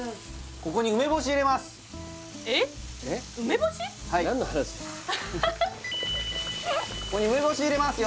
ここに梅干し入れますよ